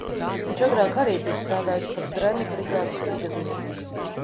Viņš agrāk arī bija strādājis par drenu brigādes brigadieri.